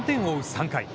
３回。